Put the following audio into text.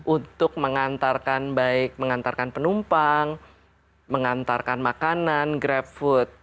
untuk mengantarkan baik mengantarkan penumpang mengantarkan makanan grab food